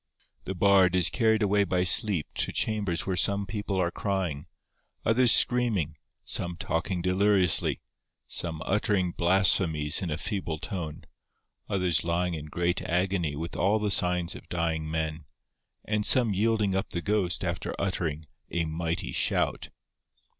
The Bard is carried away by sleep to chambers where some people are crying, others screaming, some talking deliriously, some uttering blasphemies in a feeble tone, others lying in great agony with all the signs of dying men, and some yielding up the ghost after uttering 'a mighty shout.